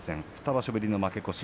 ２場所ぶりの負け越し。